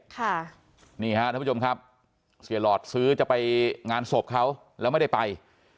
ค่ะนี่ฮะท่านผู้ชมครับเสียหลอดซื้อจะไปงานศพเขาแล้วไม่ได้ไป